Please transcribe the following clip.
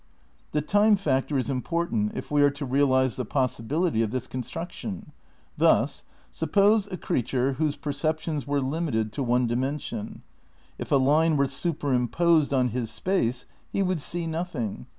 The time factor is important, if we are to realise the possibility of this construction. Thus: Suppose a creature whose perceptions were limited to one dimension. If a line were superimposed on his space he would see nothing.